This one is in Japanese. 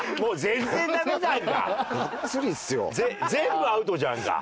全部アウトじゃんか。